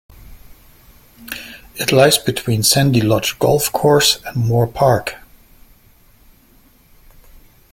It lies between Sandy Lodge Golf Course and Moor Park.